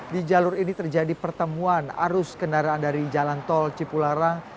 di jalur ini terjadi pertemuan arus kendaraan dari jalan tol cipularang